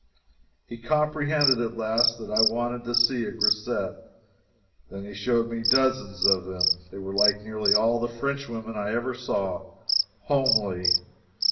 He comprehended at last that I wanted to see a grisette. Then he showed me dozens of them. They were like nearly all the Frenchwomen I ever saw homely.